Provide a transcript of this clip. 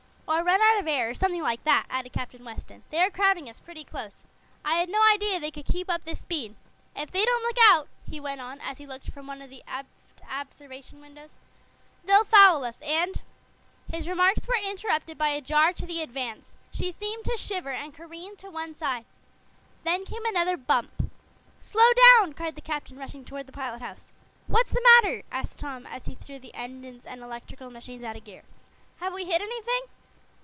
"Or run out of air, or something like that," added Captain Weston. "They are crowding us pretty close. I had no idea they could keep up this speed. If they don't look out," he went on as he looked from one of the aft observation windows, "they'll foul us, and " His remarks were interrupted by a jar to the Advance. She seemed to shiver and careened to one side. Then came another bump. "Slow down!" cried the captain, rushing toward the pilot house. "What's the matter?" asked Tom, as he threw the engines and electrical machines out of gear. "Have we hit anything?"